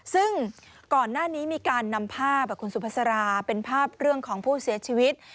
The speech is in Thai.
ซึ่งก่อนหน้านี้มีการนำภาพคุณสุภาษาราเป็นภาพเรื่องของผู้เสียชีวิต